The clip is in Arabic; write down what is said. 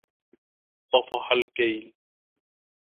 طفح الكيل